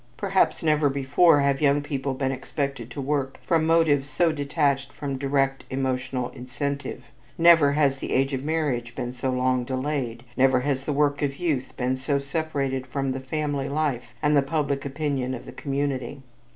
Perhaps never before have young people been expected to work from motives so detached from direct emotional incentive. Never has the age of marriage been so long delayed; never has the work of youth been so separated from the family life and the public opinion of the community.